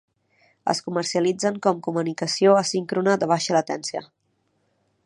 Es comercialitzen com comunicació asíncrona de baixa latència.